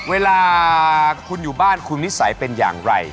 เวลาคุณอยู่บ้านคุณนิสัยเป็นอย่างไร